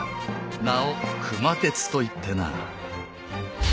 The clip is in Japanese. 名を熊徹といってな。